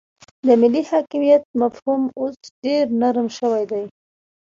د ملي حاکمیت مفهوم اوس ډیر نرم شوی دی